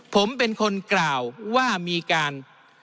ผมเป็นคนกล่าวว่ามีการ